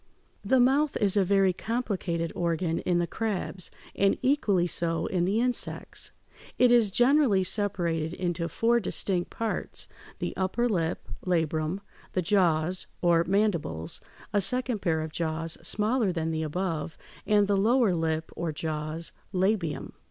The mouth is a very complicated organ in the crabs, and equally so in the insects. It is generally separated into four distinct parts: the upper lip, labrum, the jaws, or mandibles, a second pair of jaws smaller than the above, and the lower lip or jaws, labium.